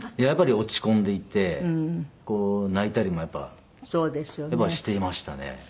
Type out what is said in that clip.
やっぱり落ち込んでいて泣いたりもやっぱりしていましたね。